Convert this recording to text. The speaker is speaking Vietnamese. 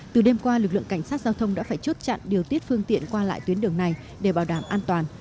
từ đêm qua lực lượng cảnh sát giao thông đã phải chốt chặn điều tiết phương tiện qua lại tuyến đường này để bảo đảm an toàn